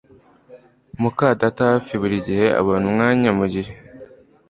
muka data hafi buri gihe abona umwanya mugihe